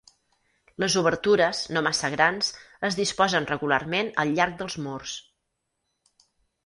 Les obertures, no massa grans, es disposen regularment al llarg dels murs.